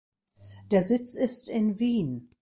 Der Sitz ist in Wien.